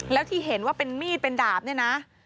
แล้วที่เห็นว่าเป็นมีดเป็นดาบเนี่ยนะ